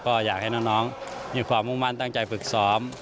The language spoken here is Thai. ก็อยากให้น้องมีความมุ่งมั่นตั้งใจฝึกซ้อม